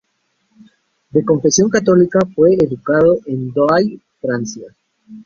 De confesión católica, fue educado en Douai, Francia.